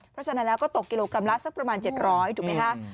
เพราะฉะนั้นแล้วก็ตกกิโลกรัมละสักประมาณ๗๐๐ถูกไหมคะ